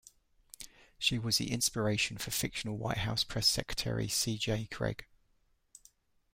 She was the inspiration for fictional White House Press Secretary C. J. Cregg.